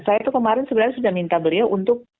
saya itu kemarin sebenarnya sudah minta beliau untuk